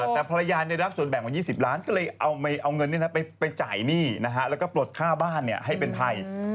แต่ภรรยารับส่วนแบ่งมา๒๐ล้านก็เลยเอาเงินไปจ่ายหนี้แล้วก็ปลดค่าบ้านให้เป็นไทย